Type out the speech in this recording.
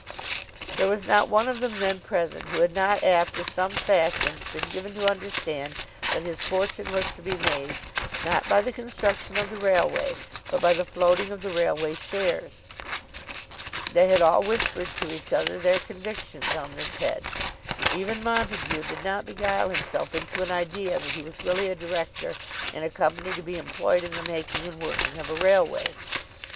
There was not one of them then present who had not after some fashion been given to understand that his fortune was to be made, not by the construction of the railway, but by the floating of the railway shares. They had all whispered to each other their convictions on this head. Even Montague did not beguile himself into an idea that he was really a director in a company to be employed in the making and working of a railway.